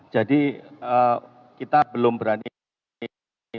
jadi kita belum berani